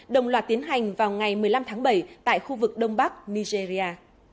đồng loạt tiến hành vào ngày một mươi năm tháng bảy tại khu vực đông bắc nigeria